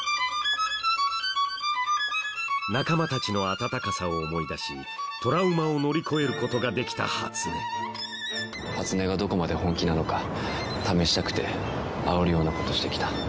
仲間たちの温かさを思い出しトラウマを乗り越えることができた初音初音がどこまで本気なのか試したくてあおるようなことしてきた。